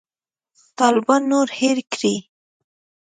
طالبان نور هېر کړي.